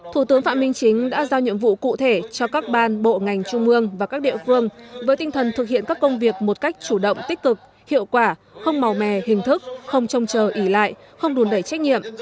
thủ tướng phạm minh chính đã giao nhiệm vụ cụ thể cho các ban bộ ngành trung mương và các địa phương với tinh thần thực hiện các công việc một cách chủ động tích cực hiệu quả không màu mè hình thức không trông chờ ỉ lại không đùn đẩy trách nhiệm